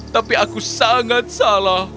tapi aku sangat salah